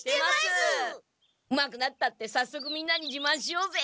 うまくなったってさっそくみんなに自まんしようぜ！